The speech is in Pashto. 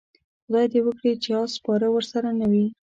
خدای دې وکړي چې اس سپاره ورسره نه وي.